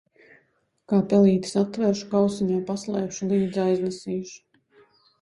Kā pelīti satveršu, kausiņā paslēpšu, līdzi aiznesīšu.